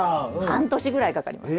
半年ぐらいかかります。